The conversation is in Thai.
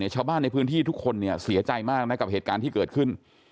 ชาวบ้านในพื้นที่ทุกคนเสียใจมากนะกับเหตุการณ์ที่เกิดขึ้น